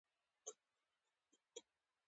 وسله د عدالت سترګې ړندې کوي